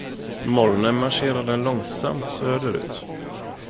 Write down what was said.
Molnen marscherade långsamt söderut.